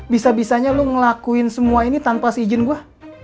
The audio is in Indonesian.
bisa bisanya lu ngelakuin semua ini tanpa izin gue